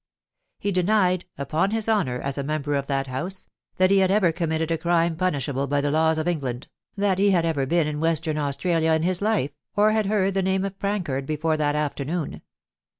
He denied, upon his honour as a member of that House, that he had ever committed a crime punishable by the laws of England, that he had ever been in Western Australia in his life, or had heard the name of Prancard before that afternoon.